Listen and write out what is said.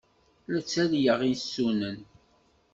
La ttalyeɣ isunan.